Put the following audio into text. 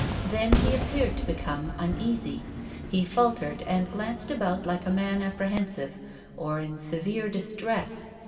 Then he appeared to become uneasy. He faltered and glanced about like a man apprehensive, or in severe dis tress.